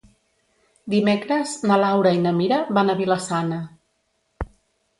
Dimecres na Laura i na Mira van a Vila-sana.